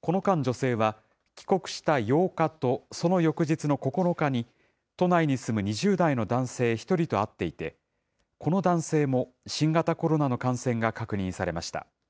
この間、女性は帰国した８日とその翌日の９日に、都内に住む２０代の男性１人と会っていて、この男性も新型コロナの感染が確認されました。